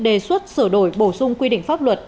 đề xuất sửa đổi bổ sung quy định pháp luật